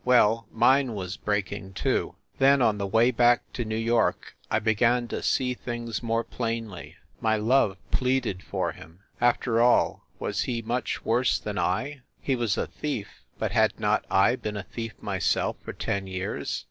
Well, mine was breaking, too ! Then, on the way back to New York, I began to see things more plainly. My love pleaded for him. After all, was he much worse than I? He was a thief; but had not I been a thief myself for ten years